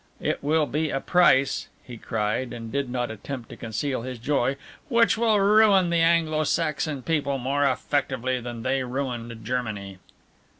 It will be a price," he cried, and did not attempt to conceal his joy, "which will ruin the Anglo Saxon people more effectively than they ruined Germany."